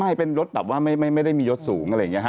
ใช่เป็นรถแบบว่าไม่ได้มียศสูงอะไรอย่างนี้ฮะ